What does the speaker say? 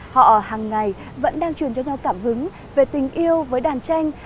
họ hàng ngày vẫn đang truyền cho nhau cảm hứng về tình yêu với đàn tranh